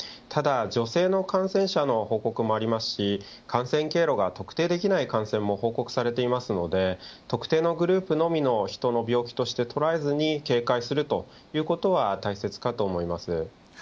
感染経路が特定できない感染も報告されていますので特定のグループのみの人の病気として捉えずに警戒するということは大切かと思います。